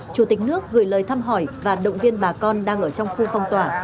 chủ tịch nước gửi lời thăm hỏi và động viên bà con đang ở trong khu phong tỏa